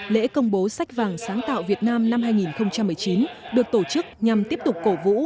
lễ công bố sách vàng sáng tạo việt nam năm hai nghìn một mươi chín được tổ chức nhằm tiếp tục cổ vũ